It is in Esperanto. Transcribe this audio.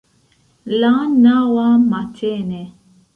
La naŭa matene.